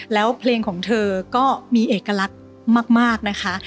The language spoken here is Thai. แล้วเพลงของเธอก็มีเอกลักษณ์มากนะคะ